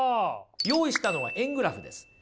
用意したのは円グラフです。